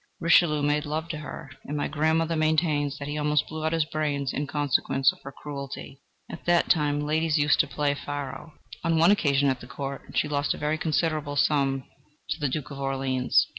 Richelieu made love to her, and my grandmother maintains that he almost blew out his brains in consequence of her cruelty. At that time ladies used to play at faro. On one occasion at the Court, she lost a very considerable sum to the Duke of Orleans.